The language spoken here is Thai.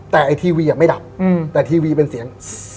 แต่ไอ้ทีวีไม่ดับแต่ทีวีเป็นเสียง